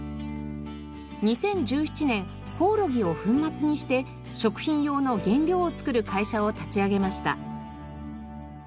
２０１７年コオロギを粉末にして食品用の原料を作る会社を立ち上げました。